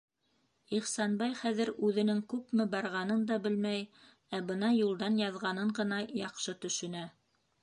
Ихсанбай хәҙер үҙенең күпме барғанын да белмәй, ә бына юлдан яҙғанын ғына яҡшы төшөнә.